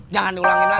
jangan diulangin lagi ya